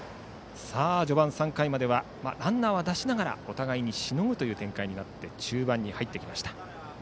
序盤３回まではランナーは出しながらお互い、しのぐ展開になって中盤に入ってきました。